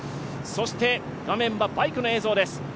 そして画面はバイクの映像です。